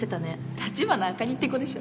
立花あかりって子でしょ？